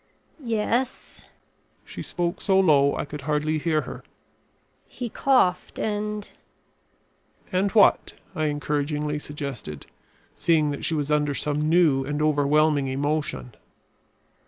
"Yes." She spoke so low I could hardly hear her. "He coughed and " "And what?" I encouragingly suggested, seeing that she was under some new and overwhelming emotion.